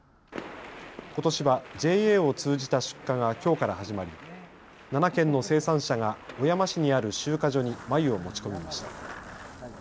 ことしはＪＡを通じた出荷がきょうから始まり７軒の生産者が小山市にある集荷所に繭を持ち込みました。